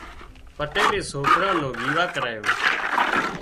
پٽيلي سوڪرِي نو ويوا ڪريو